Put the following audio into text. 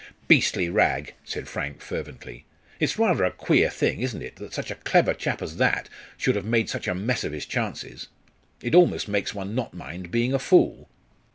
"Beastly rag!" said Frank, fervently. "It's rather a queer thing, isn't it, that such a clever chap as that should have made such a mess of his chances. It almost makes one not mind being a fool."